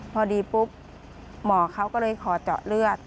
พอดีปุ๊บหมอเขาก็เลยขอเจาะเลือด